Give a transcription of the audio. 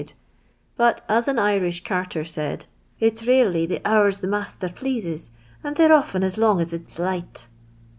le, but as an Irish carter said. " it 'n ralely the hours the masther plases, and they n* often as lonir as it's lif,'ht."